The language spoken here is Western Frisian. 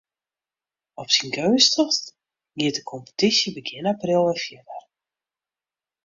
Op syn geunstichst giet de kompetysje begjin april wer fierder.